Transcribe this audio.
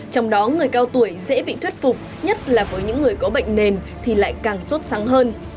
trong đó người cao tuổi dễ bị thuyết phục nhất là với những người có bệnh nền thì lại càng sốt sáng hơn